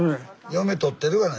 嫁撮ってるがな。